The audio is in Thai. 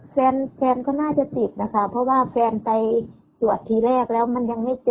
แฟนแฟนก็น่าจะติดนะคะเพราะว่าแฟนไปตรวจทีแรกแล้วมันยังไม่เจอ